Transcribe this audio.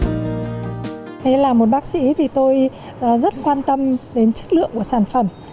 thế là một bác sĩ thì tôi rất quan tâm đến chất lượng của sản phẩm